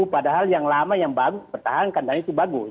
padahal yang lama yang bertahan kan itu bagus